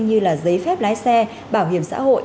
như là giấy phép lái xe bảo hiểm xã hội